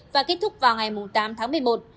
và kết thúc vào ngày tám tháng một mươi một